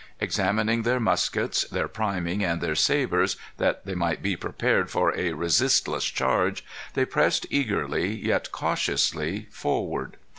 Examining their muskets, their priming, and their sabres, that they might be prepared for a resistless charge, they pressed eagerly yet cautiously forward.